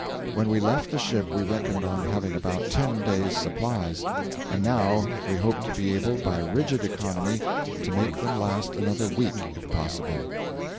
When we left the ship we reckoned on having about ten days' supplies, and now we hope to be able, by rigid economy, to make them last another week if possible.